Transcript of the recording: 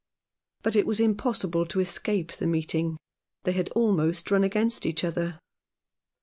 But it was im possible to escape the meeting. They had almost run against each other.